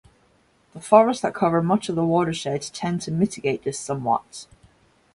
The forests that cover much of the watershed tend to mitigate this somewhat.